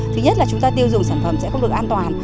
thứ nhất là chúng ta tiêu dùng sản phẩm sẽ không được an toàn